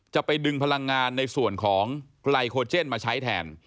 จะไปดึงพลังงานในส่วนของไลโคเจนมาใช้แทน